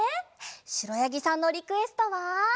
しろやぎさんのリクエストは。